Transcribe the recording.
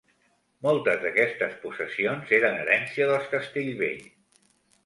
Moltes d'aquestes possessions eren herència dels Castellvell.